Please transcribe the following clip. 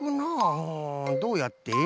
うんどうやって。